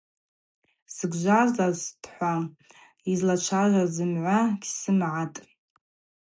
Сгвжважвазтӏхӏва йызлачважваз зымгӏва гьсзымгӏатӏ.